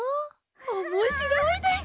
おもしろいです！